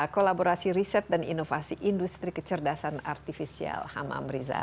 kolaborasi riset dan inovasi industri kecerdasan artifisial hamam riza